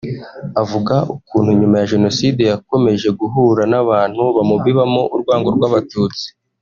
Avuga ukuntu nyuma ya Jenoside yakomeje guhura n’abantu bamubibamo urwango rw’Abatutsi